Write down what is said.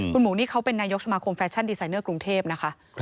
คุณหมูนี่เขาเป็นนายกสมาคมแฟชั่นดีไซเนอร์กรุงเทพนะคะ